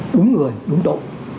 đúng người đúng độ